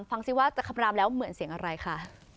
ฟังสิว่าจะคำรามแล้วเหมือนเสียงอะไรคะ